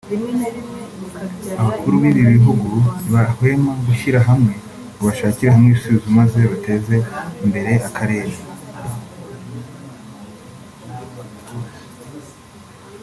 abakuru b’ibi bihugu ntibahwema gushyira hamwe ngo bashakire hamwe ibisubizo maze bateze imbere akarere